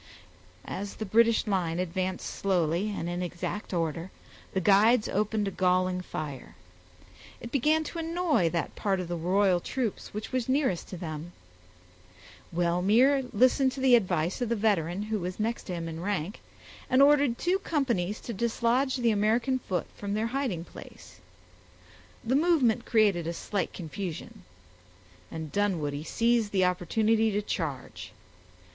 As the British line advanced slowly and in exact order, the guides opened a galling fire. It began to annoy that part of the royal troops which was nearest to them. Wellmere listened to the advice of the veteran, who was next to him in rank, and ordered two companies to dislodge the American foot from their hiding place. The movement created a slight confusion; and Dunwoodie seized the opportunity to charge.